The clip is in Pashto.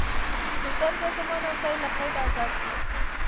مصدر د زمان او ځای له قیده آزاد يي.